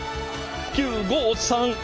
９５３１。